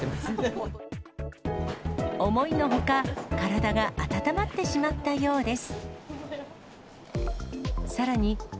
思いのほか、体が温まってしまったようです。